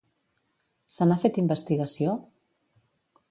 Se n'ha fet investigació?